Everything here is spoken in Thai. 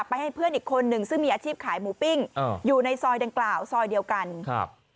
ให้เพื่อนอีกคนหนึ่งซึ่งมีอาชีพขายหมูปิ้งอ่าอยู่ในซอยดังกล่าวซอยเดียวกันครับ